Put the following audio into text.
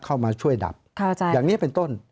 เข้ามาช่วยดับอย่างนี้เป็นต้น